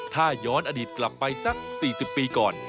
ถ้าย้อนอดีตกลับไปสัก๔๐ปีก่อน